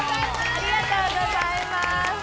ありがとうございます！